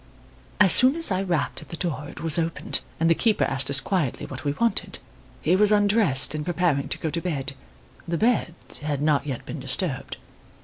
"As soon as I rapped at the door it was opened, and the keeper asked us quietly what we wanted. He was undressed and preparing to go to bed. The bed had not yet been disturbed.